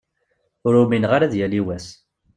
Ur umineɣ ara ad yali wass.